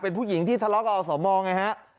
เป็นผู้หญิงที่ทะเลาะกับอสมไงฮะ